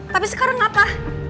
tapi sekarang apa